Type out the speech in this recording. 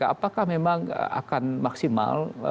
apakah memang akan maksimal